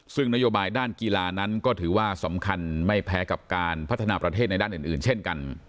ซึ่งนโยบายด้านกีฬานั้นก็ถือว่าสำคัญไม่แพ้กับการพัฒนาประเทศในด้านอื่นเช่นกัน